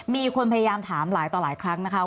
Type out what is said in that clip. มีคนพยายามถามหลายต่อหลายครั้งนะคะ